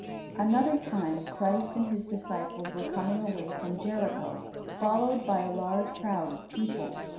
Another time Christ and His disciples were coming away from Jericho, followed by a large crowd of people.